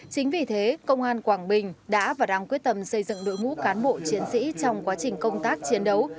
chính vì thế công an quảng bình đã và đang quyết tâm xây dựng đội ngũ cán bộ chiến sĩ trong quá trình công tác chiến đấu